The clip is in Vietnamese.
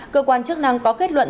cơ quan chức năng có kết luận